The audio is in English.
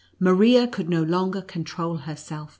Maria could no longer control herself.